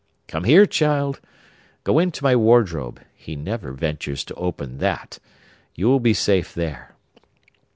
Come here, child; go into my wardrobe: he never ventures to open that; you will be safe there.